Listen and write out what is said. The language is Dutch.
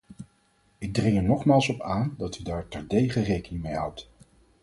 Ik dring er nogmaals op aan dat u daar terdege rekening mee houdt.